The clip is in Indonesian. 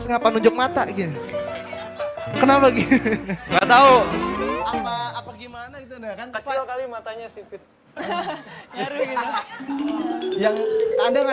bisa nunjuk mata kenapa gitu nggak tahu apa apa gimana itu ada yang ada